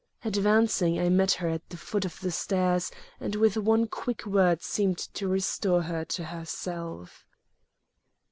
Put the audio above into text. Advancing, I met her at the foot of the stairs, and with one quick word seemed to restore her to herself.